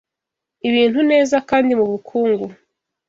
ibintu neza kandi mubukungu